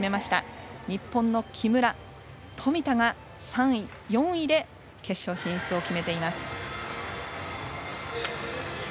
日本の木村、富田が３位、４位で決勝進出を決めています。